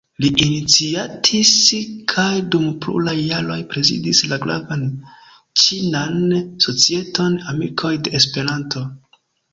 Li iniciatis kaj dum pluraj jaroj prezidis la gravan ĉinan societon "Amikoj de Esperanto".